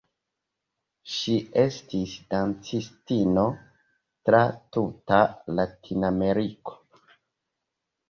Ŝi estis dancistino tra tuta Latinameriko.